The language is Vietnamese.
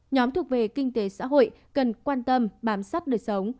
nhóm thuộc về kinh tế xã hội cần quan tâm bám sát đời sống